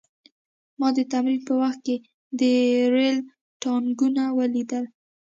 ما د تمرین په وخت کې د ریل ټانکونه ولیدل